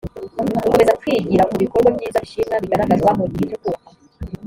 gukomeza kwigira ku bikorwa byiza bishimwa bigaragazwa mu gihe cyo kubaka